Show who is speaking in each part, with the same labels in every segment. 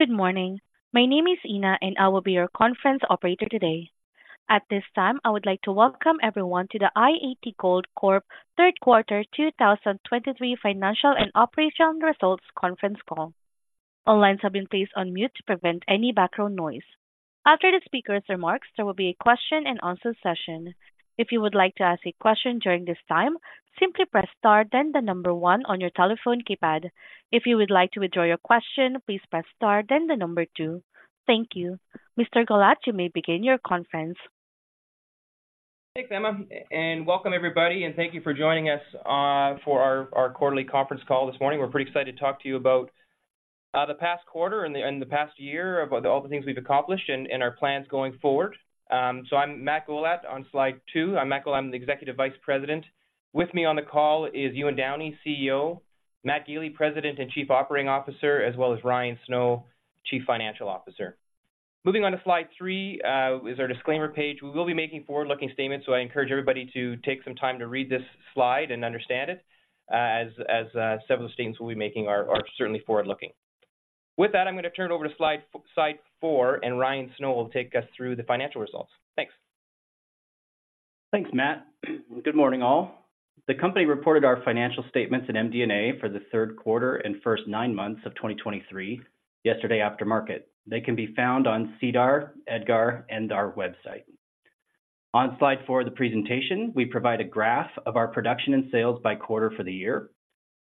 Speaker 1: Good morning. My name is Ina, and I will be your conference operator today. At this time, I would like to welcome everyone to the i-80 Gold Corp Q3 2023 financial and operational results conference call. All lines have been placed on mute to prevent any background noise. After the speaker's remarks, there will be a question and answer session. If you would like to ask a question during this time, simply press star then the number one on your telephone keypad. If you would like to withdraw your question, please press star then the number two. Thank you. Mr. Gollat, you may begin your conference.
Speaker 2: Thanks, Ina, and welcome everybody, and thank you for joining us for our quarterly conference call this morning. We're pretty excited to talk to you about the past quarter and the past year, about all the things we've accomplished and our plans going forward. So I'm Matt Gollat. On slide two, I'm Matt Gollat, I'm the Executive Vice President. With me on the call is Ewan Downie, CEO, Matt Gili, President and Chief Operating Officer, as well as Ryan Snow, Chief Financial Officer. Moving on to slide three is our disclaimer page. We will be making forward-looking statements, so I encourage everybody to take some time to read this slide and understand it, as several of the statements we'll be making are certainly forward-looking. With that, I'm going to turn it over to slide four, and Ryan Snow will take us through the financial results. Thanks.
Speaker 3: Thanks, Matt. Good morning, all. The company reported our financial statements in MD&A for the third quarter and first nine months of 2023 yesterday after market. They can be found on SEDAR, EDGAR, and our website. On slide four of the presentation, we provide a graph of our production and sales by quarter for the year.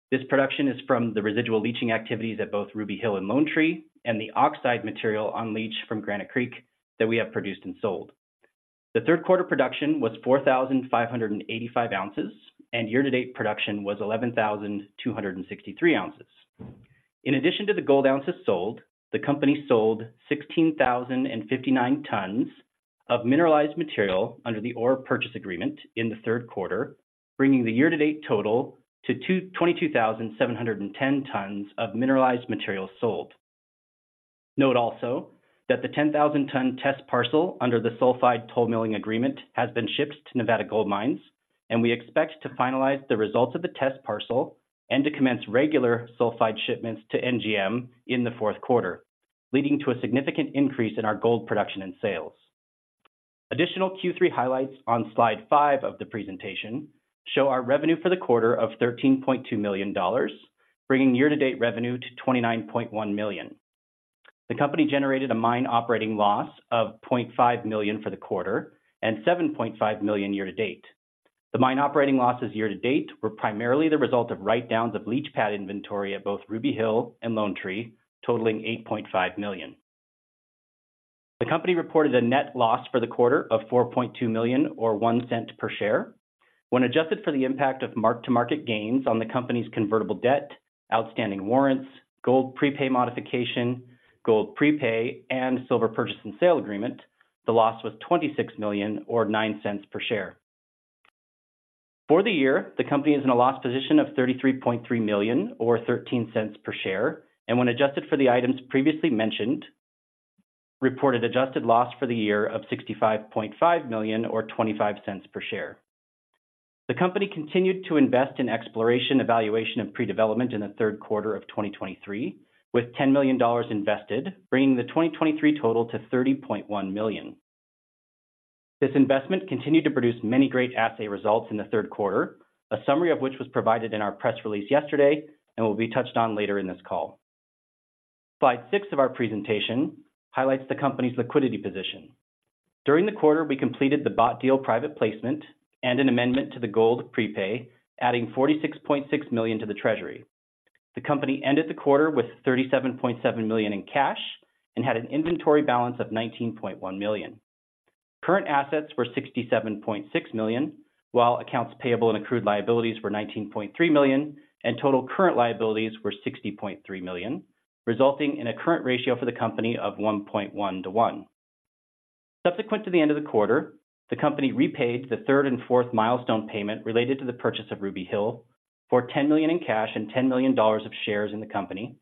Speaker 3: This production is from the residual leaching activities at both Ruby Hill and Lone Tree, and the oxide material on leach from Granite Creek that we have produced and sold. The third quarter production was 4,585 ounces, and year-to-date production was 11,263 ounces. In addition to the gold ounces sold, the company sold 16,059 tons of mineralized material under the ore purchase agreement in the third quarter, bringing the year-to-date total to 22,710 tons of mineralized material sold. Note also that the 10,000 ton test parcel under the sulfide toll milling agreement has been shipped to Nevada Gold Mines, and we expect to finalize the results of the test parcel and to commence regular sulfide shipments to NGM in the fourth quarter, leading to a significant increase in our gold production and sales. Additional Q3 highlights on slide five of the presentation show our revenue for the quarter of $13.2 million, bringing year-to-date revenue to $29.1 million. The company generated a mine operating loss of $0.5 million for the quarter and $7.5 million year to date. The mine operating losses year to date were primarily the result of write-downs of leach pad inventory at both Ruby Hill and Lone Tree, totaling $8.5 million. The company reported a net loss for the quarter of $4.2 million, or $0.01 per share. When adjusted for the impact of mark-to-market gains on the company's convertible debt, outstanding warrants, gold prepay modification, gold prepay, and silver purchase and sale agreement, the loss was $26 million or $0.09 per share. For the year, the company is in a loss position of $33.3 million or $0.13 per share, and when adjusted for the items previously mentioned, reported adjusted loss for the year of $65.5 million or $0.25 per share. The company continued to invest in exploration, evaluation, and pre-development in the third quarter of 2023, with $10 million invested, bringing the 2023 total to $30.1 million. This investment continued to produce many great assay results in the third quarter, a summary of which was provided in our press release yesterday and will be touched on later in this call. Slide six of our presentation highlights the company's liquidity position. During the quarter, we completed the bought deal private placement and an amendment to the gold prepay, adding $46.6 million to the treasury. The company ended the quarter with $37.7 million in cash and had an inventory balance of $19.1 million. Current assets were $67.6 million, while accounts payable and accrued liabilities were $19.3 million, and total current liabilities were $60.3 million, resulting in a current ratio for the company of 1.1 to 1. Subsequent to the end of the quarter, the company repaid the third and fourth milestone payment related to the purchase of Ruby Hill for $10 million in cash and $10 million of shares in the company.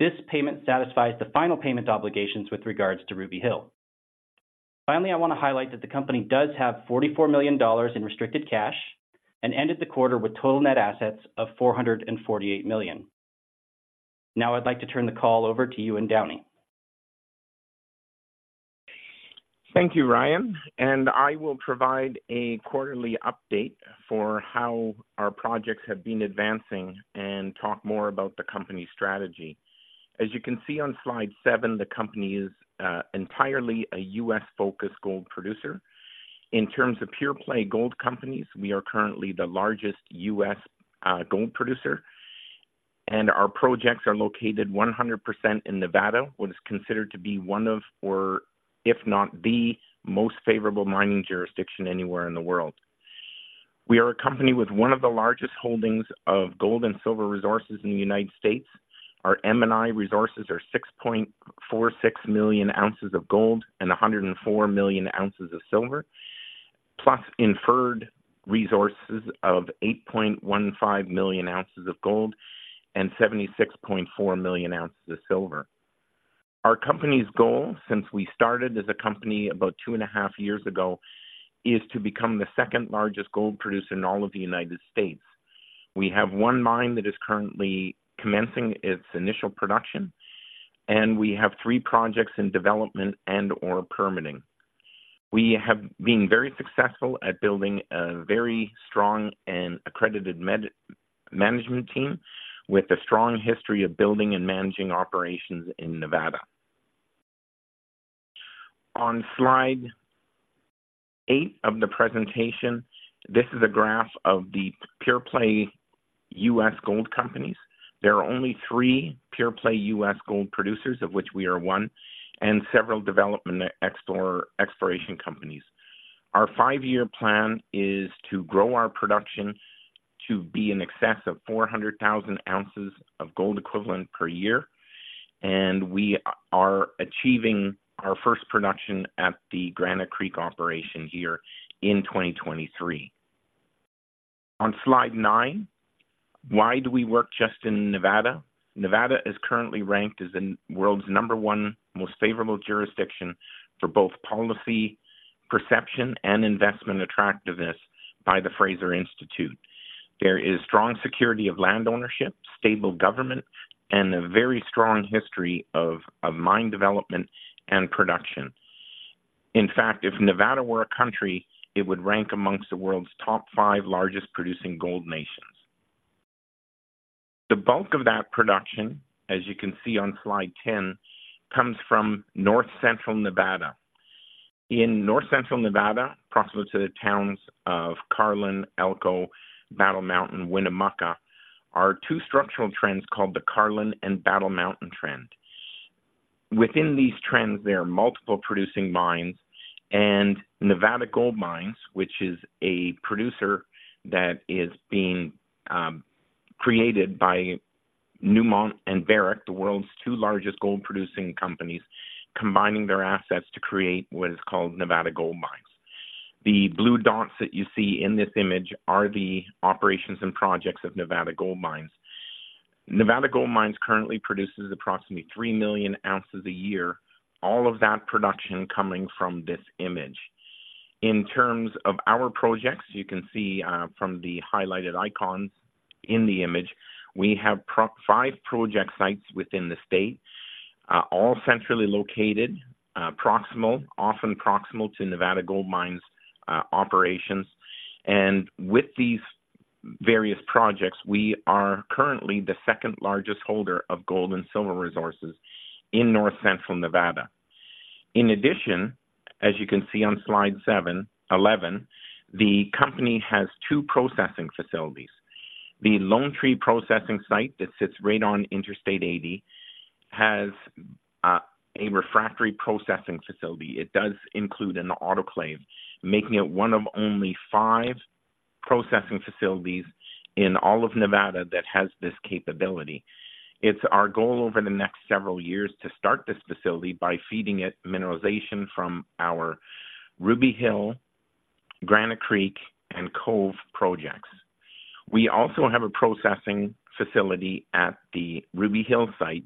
Speaker 3: This payment satisfies the final payment obligations with regards to Ruby Hill. Finally, I want to highlight that the company does have $44 million in restricted cash and ended the quarter with total net assets of $448 million. Now I'd like to turn the call over to Ewan Downie.
Speaker 4: Thank you, Ryan, and I will provide a quarterly update for how our projects have been advancing and talk more about the company's strategy. As you can see on slide seven, the company is entirely a U.S.-focused gold producer. In terms of pure-play gold companies, we are currently the largest U.S. gold producer, and our projects are located 100% in Nevada, what is considered to be one of, or if not the most favorable mining jurisdiction anywhere in the world. We are a company with one of the largest holdings of gold and silver resources in the United States. Our M&I resources are 6.46 million ounces of gold and 104 million ounces of silver, plus inferred resources of 8.15 million ounces of gold and 76.4 million ounces of silver. Our company's goal since we started as a company about two and half years ago, is to become the second-largest gold producer in all of the United States... We have one mine that is currently commencing its initial production, and we have three projects in development and or permitting. We have been very successful at building a very strong and accredited management team with a strong history of building and managing operations in Nevada. On slide eight of the presentation, this is a graph of the pure-play U.S. gold companies. There are only three pure-play U.S. gold producers, of which we are one, and several development or exploration companies. Our five year plan is to grow our production to be in excess of 400,000 ounces of gold equivalent per year, and we are achieving our first production at the Granite Creek operation here in 2023. On slide nine, why do we work just in Nevada? Nevada is currently ranked as the world's number one most favorable jurisdiction for both policy, perception, and investment attractiveness by the Fraser Institute. There is strong security of land ownership, stable government, and a very strong history of mine development and production. In fact, if Nevada were a country, it would rank amongst the world's top five largest producing gold nations. The bulk of that production, as you can see on slide 10, comes from North Central Nevada. In North Central Nevada, approximate to the towns of Carlin, Elko, Battle Mountain, Winnemucca, are two structural trends called the Carlin and Battle Mountain Trend. Within these trends, there are multiple producing mines and Nevada Gold Mines, which is a producer that is being created by Newmont and Barrick, the world's two largest gold producing companies, combining their assets to create what is called Nevada Gold Mines. The blue dots that you see in this image are the operations and projects of Nevada Gold Mines. Nevada Gold Mines currently produces approximately 3 million ounces a year, all of that production coming from this image. In terms of our projects, you can see from the highlighted icons in the image, we have five project sites within the state, all centrally located, proximal, often proximal to Nevada Gold Mines' operations. With these various projects, we are currently the second-largest holder of gold and silver resources in North Central Nevada. In addition, as you can see on slide seven, 11, the company has two processing facilities. The Lone Tree processing site, that sits right on Interstate 80, has a refractory processing facility. It does include an autoclave, making it one of only five processing facilities in all of Nevada that has this capability. It's our goal over the next several years to start this facility by feeding it mineralization from our Ruby Hill, Granite Creek, and Cove projects. We also have a processing facility at the Ruby Hill site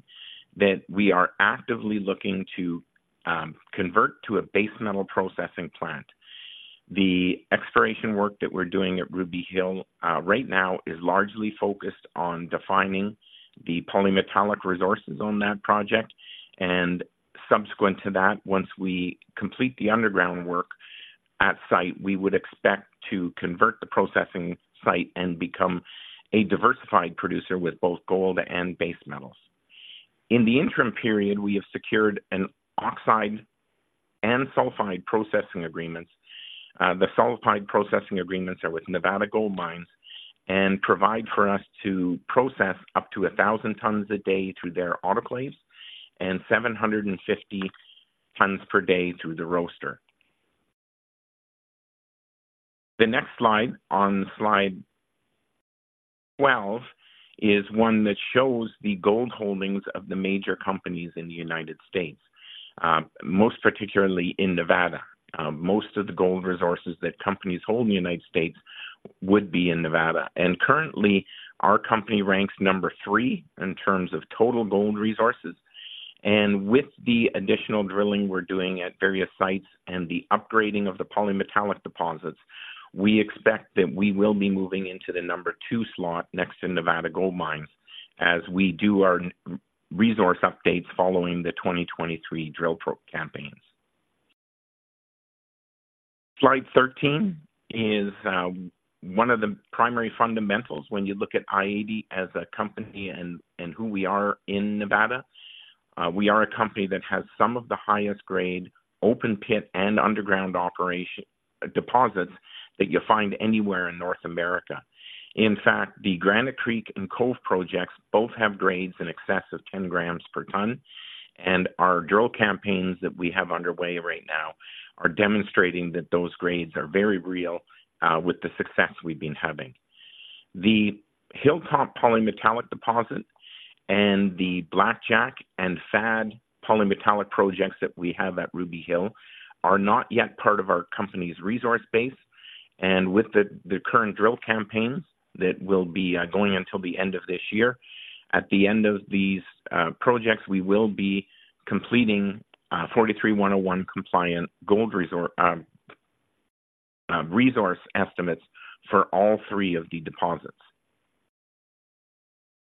Speaker 4: that we are actively looking to convert to a base metal processing plant. The exploration work that we're doing at Ruby Hill right now is largely focused on defining the polymetallic resources on that project, and subsequent to that, once we complete the underground work at site, we would expect to convert the processing site and become a diversified producer with both gold and base metals. In the interim period, we have secured an oxide and sulfide processing agreements. The sulfide processing agreements are with Nevada Gold Mines and provide for us to process up to 1,000 tons a day through their autoclaves and 750 tons per day through the roaster. The next slide, on slide 12, is one that shows the gold holdings of the major companies in the United States, most particularly in Nevada. Most of the gold resources that companies hold in the United States would be in Nevada. Currently, our company ranks number three in terms of total gold resources. With the additional drilling we're doing at various sites and the upgrading of the polymetallic deposits, we expect that we will be moving into the number two slot next to Nevada Gold Mines as we do our NI 43-101 resource updates following the 2023 drill program campaigns. Slide 13 is one of the primary fundamentals when you look at i-80 as a company and who we are in Nevada. We are a company that has some of the highest grade open pit and underground operation deposits that you'll find anywhere in North America. In fact, the Granite Creek and Cove projects both have grades in excess of 10 grams per ton, and our drill campaigns that we have underway right now are demonstrating that those grades are very real with the success we've been having. The Hilltop polymetallic deposit and the Blackjack and FAD polymetallic projects that we have at Ruby Hill are not yet part of our company's resource base. With the current drill campaigns that will be going until the end of this year, at the end of these projects, we will be completing 43-101 compliant gold resource resource estimates for all three of the deposits.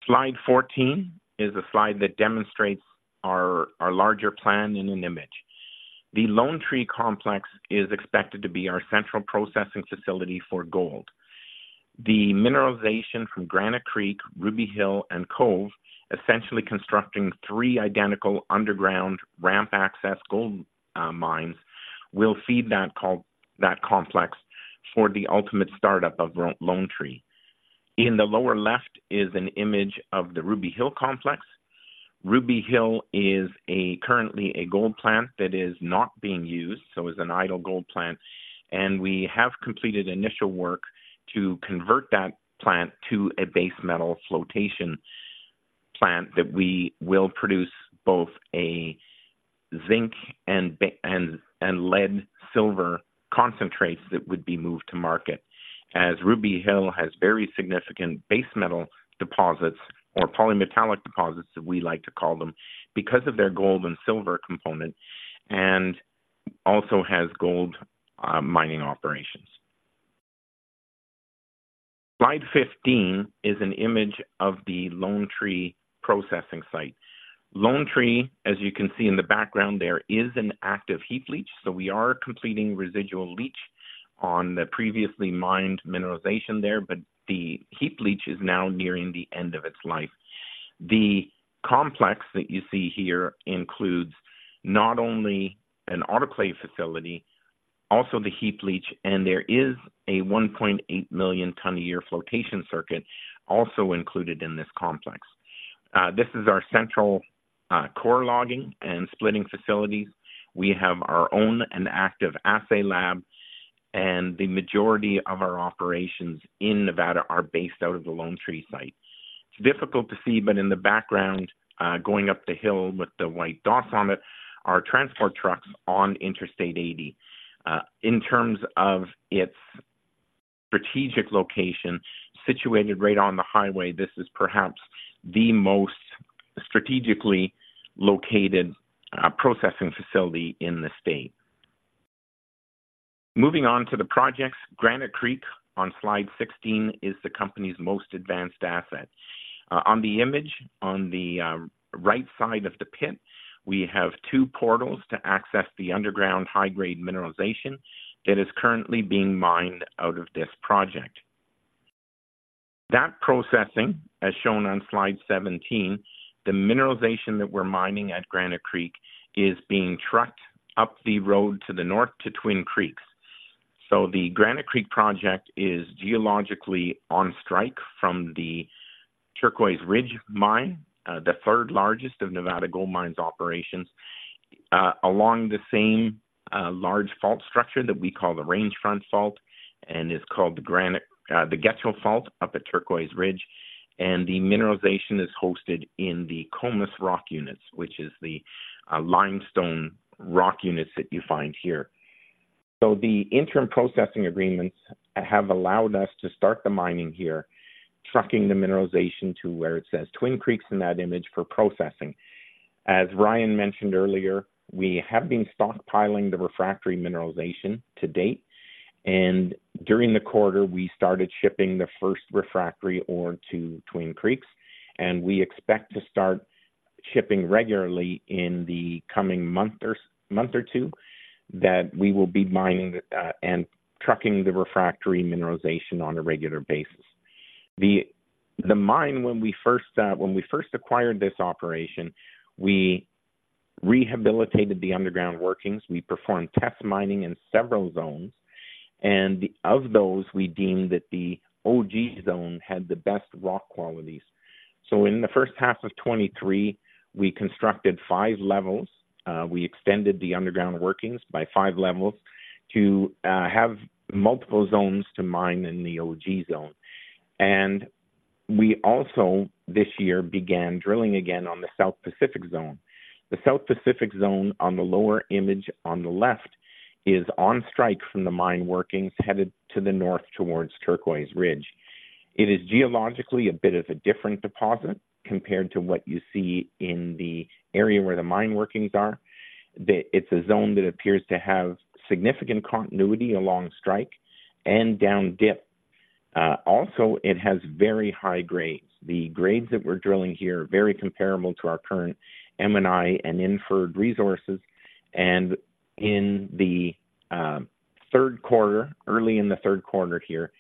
Speaker 4: Slide 14 is a slide that demonstrates our larger plan in an image. The Lone Tree complex is expected to be our central processing facility for gold. The mineralization from Granite Creek, Ruby Hill, and Cove, essentially constructing three identical underground ramp access gold mines, will feed that complex for the ultimate startup of Lone Tree. In the lower left is an image of the Ruby Hill complex. Ruby Hill is currently a gold plant that is not being used, so is an idle gold plant, and we have completed initial work to convert that plant to a base metal flotation plant that we will produce both a zinc and lead silver concentrates that would be moved to market. As Ruby Hill has very significant base metal deposits, or polymetallic deposits, as we like to call them, because of their gold and silver component, and also has gold mining operations. Slide 15 is an image of the Lone Tree processing site. Lone Tree, as you can see in the background there, is an active heap leach, so we are completing residual leach on the previously mined mineralization there, but the heap leach is now nearing the end of its life. The complex that you see here includes not only an autoclave facility, also the heap leach, and there is a 1.8 million tonne a year flotation circuit also included in this complex. This is our central, core logging and splitting facilities. We have our own and active assay lab, and the majority of our operations in Nevada are based out of the Lone Tree site. It's difficult to see, but in the background, going up the hill with the white dots on it, are transport trucks on Interstate 80. In terms of its strategic location, situated right on the highway, this is perhaps the most strategically located processing facility in the state. Moving on to the projects, Granite Creek on slide 16 is the company's most advanced asset. On the image, on the right side of the pit, we have two portals to access the underground high-grade mineralization that is currently being mined out of this project. That processing, as shown on slide 17, the mineralization that we're mining at Granite Creek is being trucked up the road to the north to Twin Creeks. So the Granite Creek project is geologically on strike from the Turquoise Ridge Mine, the third largest of Nevada Gold Mines operations, along the same large fault structure that we call the Range Front Fault, and is called the Granite... the Getchell Fault up at Turquoise Ridge, and the mineralization is hosted Comus rock units, which is the limestone rock units that you find here. So the interim processing agreements have allowed us to start the mining here, trucking the mineralization to where it says, "Twin Creeks" in that image for processing. As Ryan mentioned earlier, we have been stockpiling the refractory mineralization to date, and during the quarter, we started shipping the first refractory ore to Twin Creeks, and we expect to start shipping regularly in the coming month or month or two, that we will be mining and trucking the refractory mineralization on a regular basis. The mine, when we first acquired this operation, we rehabilitated the underground workings. We performed test mining in several zones, and of those, we deemed that the Ogee Zone had the best rock qualities. So in the first half of 2023, we constructed five levels. We extended the underground workings by five levels to have multiple zones to mine in the Ogee Zone. And we also this year began drilling again on the South Pacific Zone. The South Pacific Zone on the lower image on the left is on strike from the mine workings, headed to the north towards Turquoise Ridge. It is geologically a bit of a different deposit compared to what you see in the area where the mine workings are. It's a zone that appears to have significant continuity along strike and down dip. Also, it has very high grades. The grades that we're drilling here are very comparable to our current M&I and inferred resources. And in the third quarter, early in the third quarter here,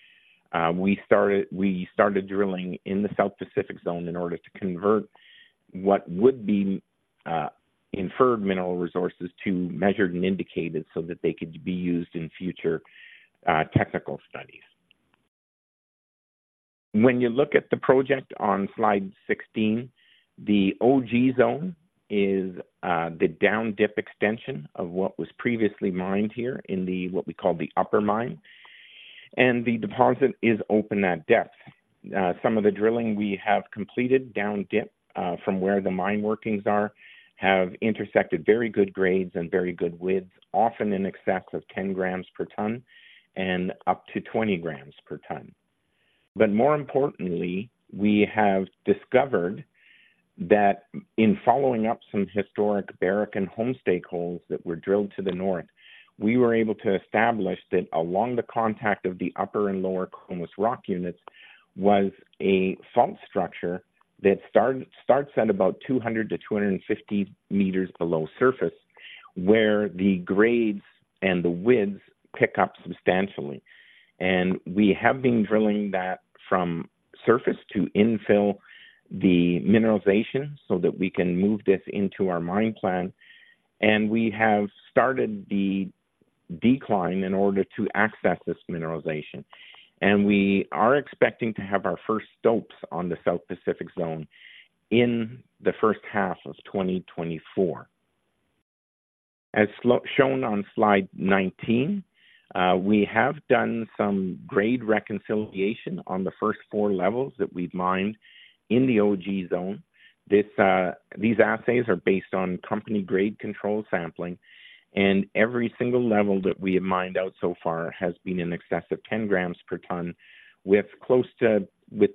Speaker 4: we started drilling in the South Pacific Zone in order to convert what would be inferred mineral resources to measured and indicated, so that they could be used in future technical studies. When you look at the project on slide 16, the Ogee Zone is the down dip extension of what was previously mined here in the, what we call the upper mine, and the deposit is open at depth. Some of the drilling we have completed down dip from where the mine workings are have intersected very good grades and very good widths, often in excess of 10 grams per tonne and up to 20 grams per tonne.... But more importantly, we have discovered that in following up some historic Barrick and Homestake holes that were drilled to the north, we were able to establish that along the contact of the upper Comus rock units, was a fault structure that starts at about 200-250 meters below surface, where the grades and the widths pick up substantially. And we have been drilling that from surface to infill the mineralization so that we can move this into our mine plan, and we have started the decline in order to access this mineralization. And we are expecting to have our first stopes on the South Pacific Zone in the first half of 2024. As shown on slide 19, we have done some grade reconciliation on the first four levels that we've mined in the Ogee Zone. These assays are based on company grade control sampling, and every single level that we have mined out so far has been in excess of 10 grams per tonne, with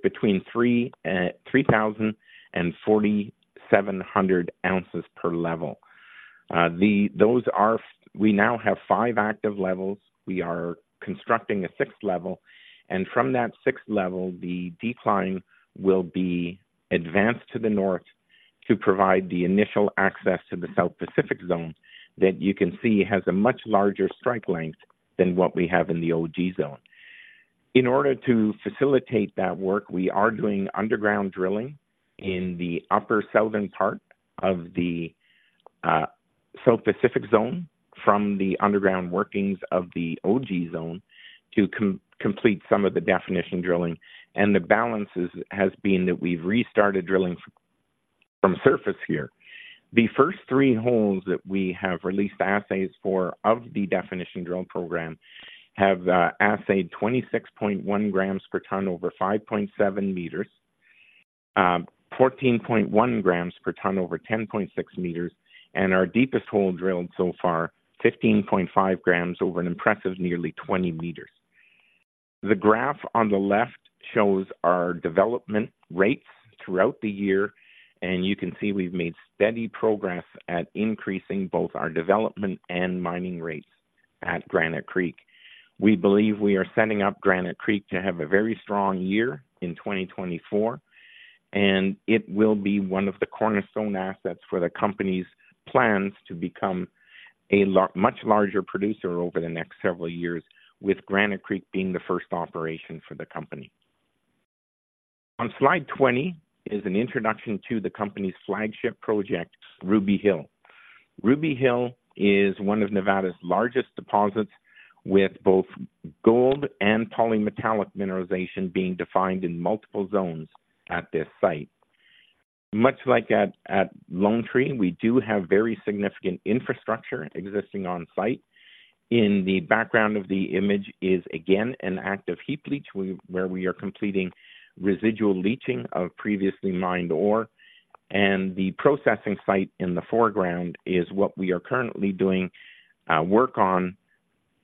Speaker 4: between 3,000 and 4,700 ounces per level. Those are. We now have five active levels. We are constructing a sixth level, and from that sixth level, the decline will be advanced to the north to provide the initial access to the South Pacific Zone, that you can see has a much larger strike length than what we have in the Ogee Zone. In order to facilitate that work, we are doing underground drilling in the upper southern part of the South Pacific Zone from the underground workings of the Ogee Zone to complete some of the definition drilling. The balance is, has been that we've restarted drilling from surface here. The first three holes that we have released assays for of the definition drill program have assayed 26.1 grams per tonne over 5.7 meters, 14.1 grams per tonne over 10.6 meters, and our deepest hole drilled so far, 15.5 grams over an impressive nearly 20 meters. The graph on the left shows our development rates throughout the year, and you can see we've made steady progress at increasing both our development and mining rates at Granite Creek. We believe we are setting up Granite Creek to have a very strong year in 2024, and it will be one of the cornerstone assets for the company's plans to become a much larger producer over the next several years, with Granite Creek being the first operation for the company. On slide 20 is an introduction to the company's flagship project, Ruby Hill. Ruby Hill is one of Nevada's largest deposits, with both gold and polymetallic mineralization being defined in multiple zones at this site. Much like at Lone Tree, we do have very significant infrastructure existing on site. In the background of the image is, again, an active heap leach, where we are completing residual leaching of previously mined ore, and the processing site in the foreground is what we are currently doing work on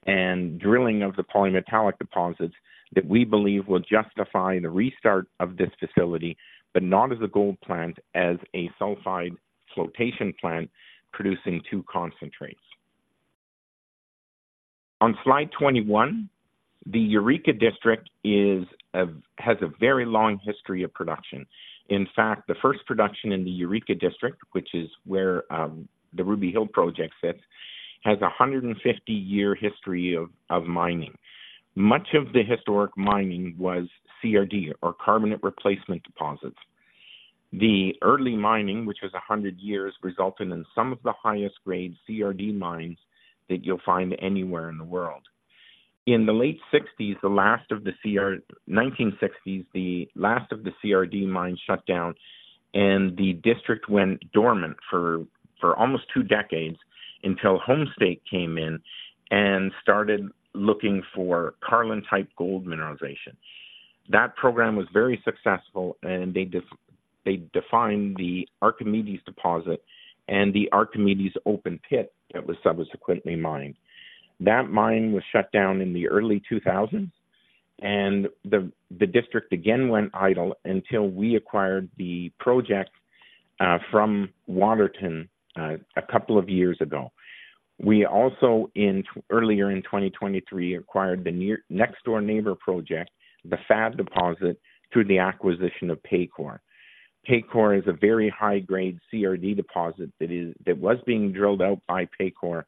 Speaker 4: and drilling of the polymetallic deposits that we believe will justify the restart of this facility, but not as a gold plant, as a sulfide flotation plant, producing two concentrates. On slide 21, the Eureka District has a very long history of production. In fact, the first production in the Eureka District, which is where the Ruby Hill project sits, has a 150-year history of mining. Much of the historic mining was CRD, or carbonate replacement deposits. The early mining, which was 100 years, resulted in some of the highest grade CRD mines that you'll find anywhere in the world. In the late 1960s, the last of the CRD mines shut down, and the district went dormant for almost two decades until Homestake came in and started looking for Carlin-type gold mineralization. That program was very successful, and they defined the Archimedes deposit and the Archimedes open pit that was subsequently mined. That mine was shut down in the early 2000s, and the district again went idle until we acquired the project from Waterton a couple of years ago. We also, earlier in 2023, acquired the next door neighbor project, the FAD deposit, through the acquisition of Paycore. Paycore is a very high-grade CRD deposit that was being drilled out by Paycore,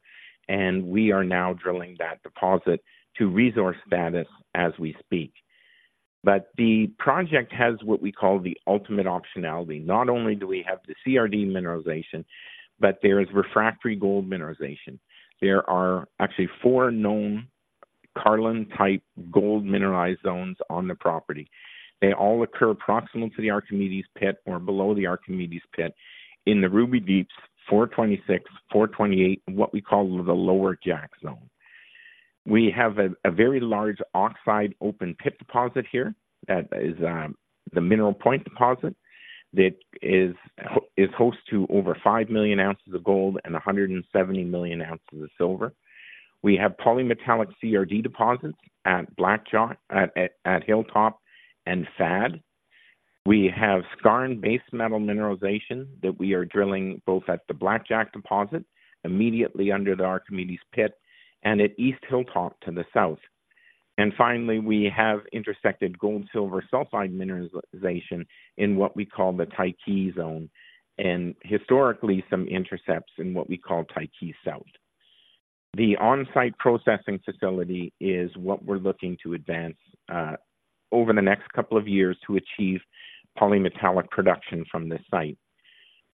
Speaker 4: and we are now drilling that deposit to resource status as we speak. But the project has what we call the ultimate optionality. Not only do we have the CRD mineralization, but there is refractory gold mineralization. There are actually four known Carlin-type gold mineralized zones on the property. They all occur proximal to the Archimedes pit or below the Archimedes pit in the Ruby Deeps, 426, 428, and what we call the Lower Jack Zone. We have a very large oxide open pit deposit here, that is the Mineral Point Deposit, that is host to over 5 million ounces of gold and 170 million ounces of silver. We have polymetallic CRD deposits at Blackjack, at Hilltop and FAD. We have skarn base metal mineralization that we are drilling both at the Blackjack deposit, immediately under the Archimedes pit, and at East Hilltop to the south. And finally, we have intersected gold-silver sulfide mineralization in what we call the Tyche Zone, and historically, some intercepts in what we call Tyche South. The on-site processing facility is what we're looking to advance over the next couple of years to achieve polymetallic production from this site.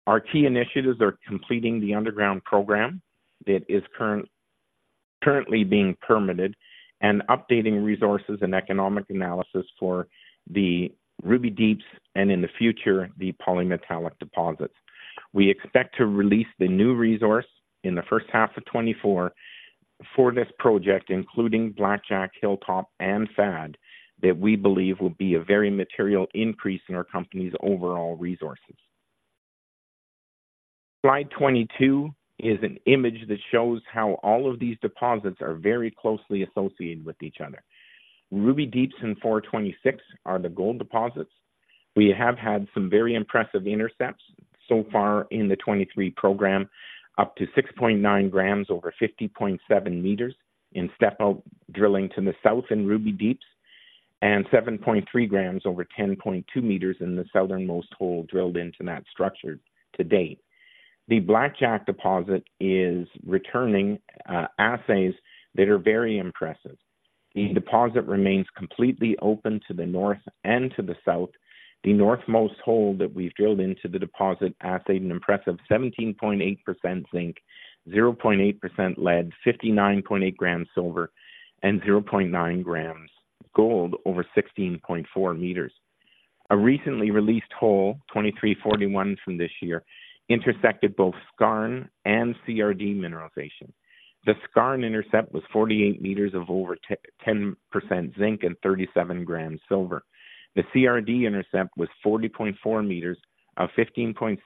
Speaker 4: Our key initiatives are completing the underground program that is currently being permitted, and updating resources and economic analysis for the Ruby Deeps, and in the future, the polymetallic deposits. We expect to release the new resource in the first half of 2024 for this project, including Blackjack, Hilltop, and FAD, that we believe will be a very material increase in our company's overall resources. Slide 22 is an image that shows how all of these deposits are very closely associated with each other. Ruby Deeps and 426 are the gold deposits. We have had some very impressive intercepts so far in the 2023 program, up to 6.9 grams over 50.7 meters in step-out drilling to the south in Ruby Deeps, and 7.3 grams over 10.2 meters in the southernmost hole drilled into that structure to date. The Blackjack deposit is returning assays that are very impressive. The deposit remains completely open to the north and to the south. The north-most hole that we've drilled into the deposit assayed an impressive 17.8% zinc, 0.8% lead, 59.8 grams silver, and 0.9 grams gold over 16.4 meters. A recently released hole, 23-41 from this year, intersected both skarn and CRD mineralization. The skarn intercept was 48 meters of over 10% zinc and 37 grams silver. The CRD intercept was 40.4 meters of 15.6%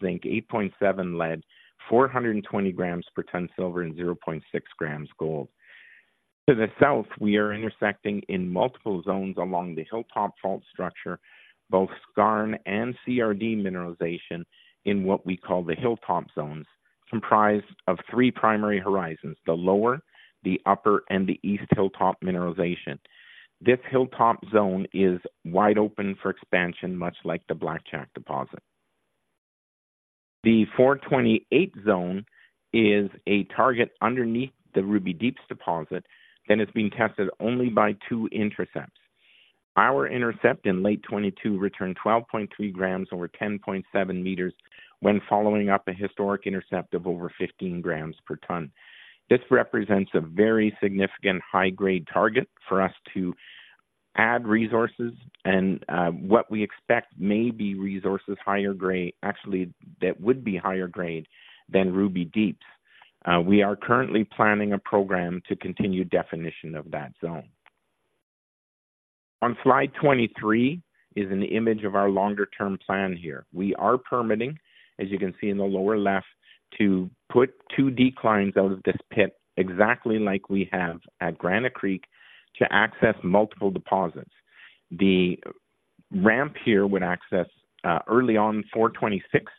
Speaker 4: zinc, 8.7% lead, 420 grams per tonne silver, and 0.6 grams gold. To the south, we are intersecting in multiple zones along the Hilltop fault structure, both skarn and CRD mineralization in what we call the Hilltop Zones, comprised of three primary horizons: the lower, the upper, and the East Hilltop mineralization. This Hilltop zone is wide open for expansion, much like the Blackjack deposit. The 428 Zone is a target underneath the Ruby Deeps deposit that is being tested only by two intercepts. Our intercept in late 2022 returned 12.3 grams over 10.7 meters when following up a historic intercept of over 15 grams per tonne. This represents a very significant high-grade target for us to add resources and, what we expect may be resources higher grade- actually, that would be higher grade than Ruby Deeps. We are currently planning a program to continue definition of that zone. On slide 23 is an image of our longer-term plan here. We are permitting, as you can see in the lower left, to put two declines out of this pit, exactly like we have at Granite Creek, to access multiple deposits. The ramp here would access, early on 426,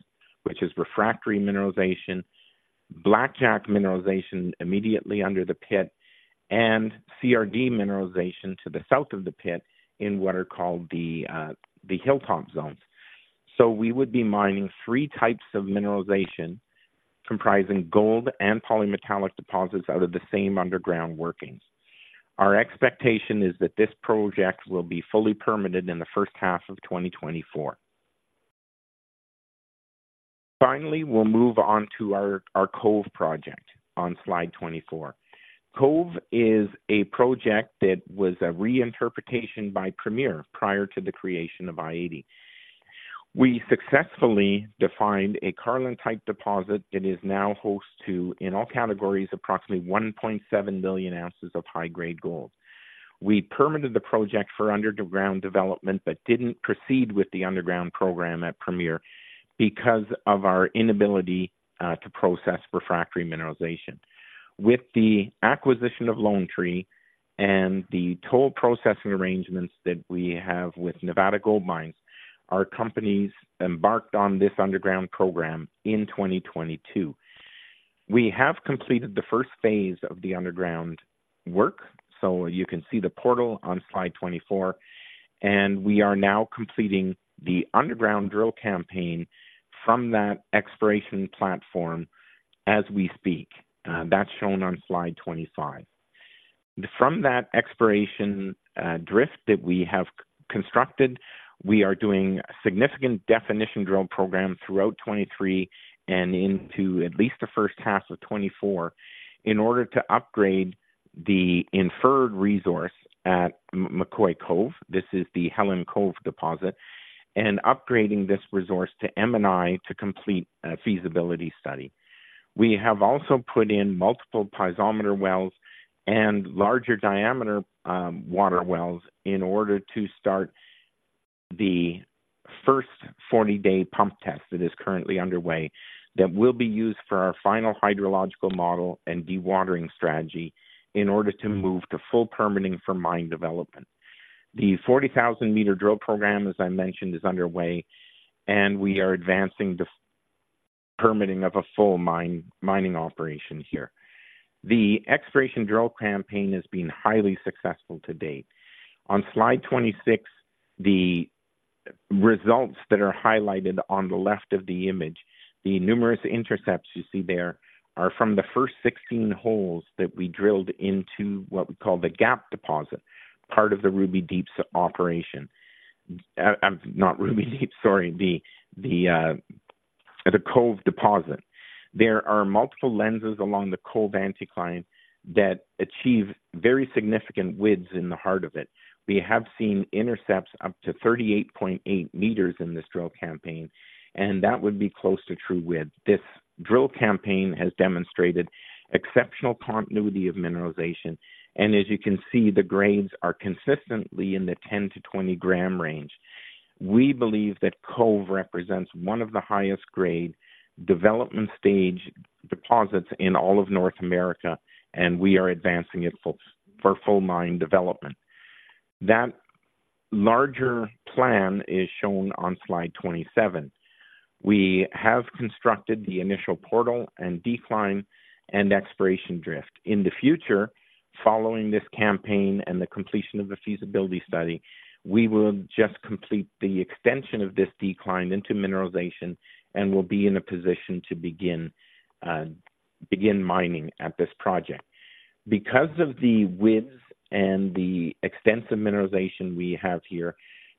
Speaker 4: which is refractory mineralization, Blackjack mineralization immediately under the pit, and CRD mineralization to the south of the pit in what are called the, the Hilltop Zones. So we would be mining three types of mineralization, comprising gold and polymetallic deposits out of the same underground workings. Our expectation is that this project will be fully permitted in the first half of 2024. Finally, we'll move on to our Cove project on slide 24. Cove is a project that was a reinterpretation by Premier prior to the creation of i-80. We successfully defined a Carlin-type deposit that is now host to, in all categories, approximately 1.7 million ounces of high-grade gold. We permitted the project for underground development, but didn't proceed with the underground program at Premier because of our inability to process refractory mineralization. With the acquisition of Lone Tree and the toll processing arrangements that we have with Nevada Gold Mines, our companies embarked on this underground program in 2022. We have completed the first phase of the underground work, so you can see the portal on slide 24, and we are now completing the underground drill campaign from that exploration platform as we speak. That's shown on slide 25. From that exploration drift that we have constructed, we are doing a significant definition drill program throughout 2023 and into at least the first half of 2024, in order to upgrade the inferred resource at McCoy-Cove, this is the Helen Cove deposit, and upgrading this resource to M&I to complete a feasibility study. We have also put in multiple piezometer wells and larger diameter water wells in order to start the first 40-day pump test that is currently underway, that will be used for our final hydrological model and dewatering strategy in order to move to full permitting for mine development. The 40,000-meter drill program, as I mentioned, is underway, and we are advancing the permitting of a full mining operation here. The exploration drill campaign has been highly successful to date. On slide 26, the results that are highlighted on the left of the image, the numerous intercepts you see there are from the first 16 holes that we drilled into what we call the Gap Deposit, part of the Ruby Deeps operation. Sorry, not Ruby Deeps, the Cove Deposit. There are multiple lenses along the Cove anticline that achieve very significant widths in the heart of it. We have seen intercepts up to 38.8 meters in this drill campaign, and that would be close to true width. This drill campaign has demonstrated exceptional continuity of mineralization, and as you can see, the grades are consistently in the 10-20-gram range. We believe that Cove represents one of the highest grade development stage deposits in all of North America, and we are advancing it for full mine development. That larger plan is shown on slide 27. We have constructed the initial portal and decline and exploration drift. In the future, following this campaign and the completion of the Feasibility Study, we will just complete the extension of this decline into mineralization and will be in a position to begin mining at this project. Because of the widths and the extensive mineralization we have here,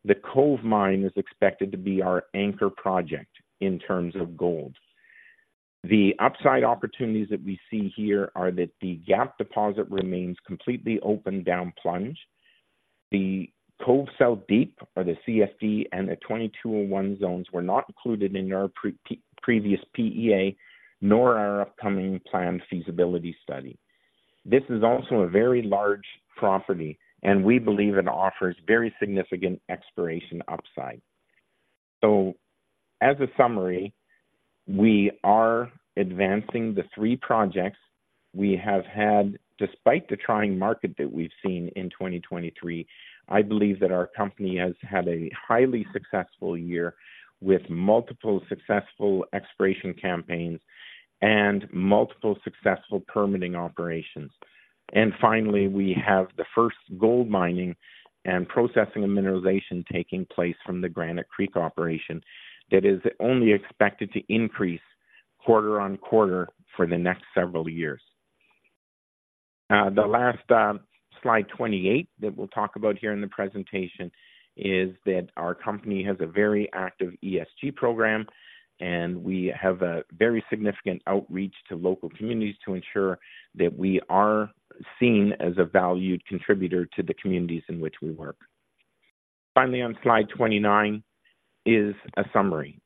Speaker 4: the Cove Mine is expected to be our anchor project in terms of gold. The upside opportunities that we see here are that the Gap Deposit remains completely open down plunge. The Cove South Deep, or the CSD, and the 2201 zones were not included in our previous PEA, nor our upcoming planned feasibility study. This is also a very large property, and we believe it offers very significant exploration upside. So, as a summary, we are advancing the three projects. We have had, despite the trying market that we've seen in 2023, I believe that our company has had a highly successful year with multiple successful exploration campaigns and multiple successful permitting operations. And finally, we have the first gold mining and processing of mineralization taking place from the Granite Creek operation that is only expected to increase quarter-over-quarter for the next several years. The last slide 28 that we'll talk about here in the presentation is that our company has a very active ESG program, and we have a very significant outreach to local communities to ensure that we are seen as a valued contributor to the communities in which we work. Finally, on slide 29 is a summary.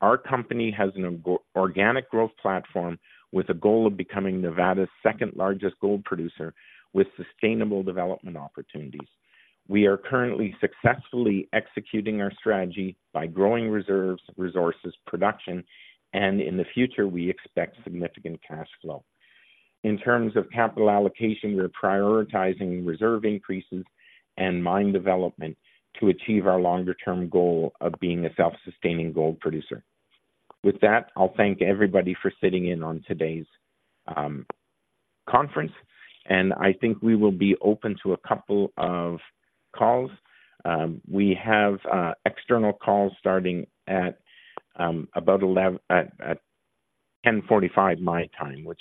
Speaker 4: Our company has an organic growth platform with a goal of becoming Nevada's second-largest gold producer with sustainable development opportunities. We are currently successfully executing our strategy by growing reserves, resources, production, and in the future, we expect significant cash flow. In terms of capital allocation, we're prioritizing reserve increases and mine development to achieve our longer-term goal of being a self-sustaining gold producer. With that, I'll thank everybody for sitting in on today's conference, and I think we will be open to a couple of calls. We have external calls starting at about 10:45 my time, which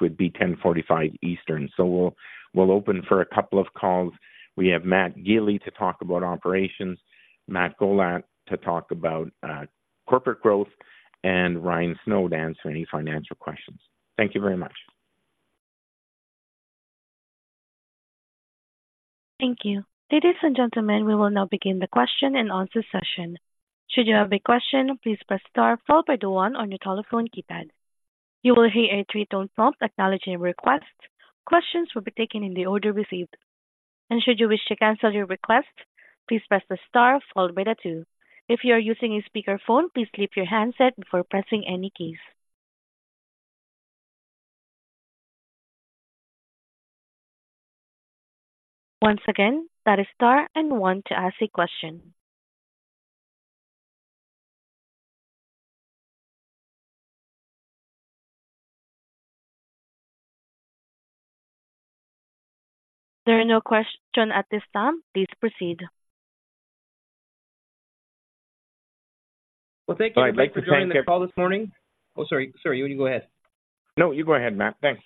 Speaker 4: would be 10:45 Eastern. So we'll open for a couple of calls. We have Matt Gili to talk about operations, Matt Gollat to talk about corporate growth, and Ryan Snow to answer any financial questions. Thank you very much.
Speaker 1: Thank you. Ladies and gentlemen, we will now begin the question and answer session. Should you have a question, please press star followed by the one on your telephone keypad. You will hear a three tone prompt acknowledging your request. Questions will be taken in the order received, and should you wish to cancel your request, please press the star followed by the two. If you are using a speakerphone, please leave your handset before pressing any keys. Once again, that is star and one to ask a question. There are no question at this time. Please proceed.
Speaker 2: Well, thank you-
Speaker 4: I'd like to thank-
Speaker 2: For joining the call this morning. Oh, sorry, sorry. You want to go ahead.
Speaker 4: No, you go ahead, Matt. Thanks.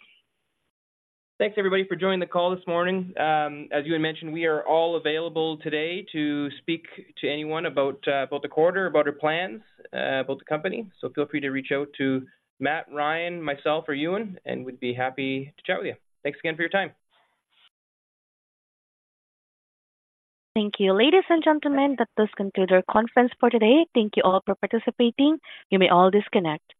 Speaker 2: Thanks, everybody, for joining the call this morning. As Ewan mentioned, we are all available today to speak to anyone about the quarter, about our plans, about the company. So feel free to reach out to Matt, Ryan, myself, or Ewan, and we'd be happy to chat with you. Thanks again for your time.
Speaker 1: Thank you. Ladies and gentlemen, that does conclude our conference for today. Thank you all for participating. You may all disconnect.